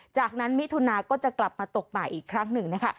จากนั้นมิถุนาก็จะกลับมาตกใหม่อีกครั้งหนึ่งนะคะ